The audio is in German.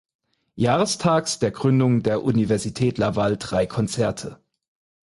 Jahrestags der Gründung der Universität Laval drei Konzerte.